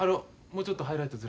もうちょっとこう。